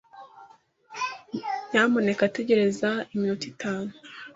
Nyamuneka tegereza iminota itanu.